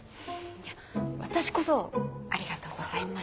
いや私こそありがとうございます。